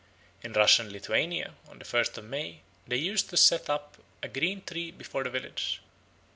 In Russian Lithuania, on the first of May, they used to set up a green tree before the village.